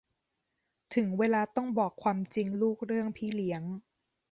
ถึงเวลาต้องบอกความจริงลูกเรื่องพี่เลี้ยง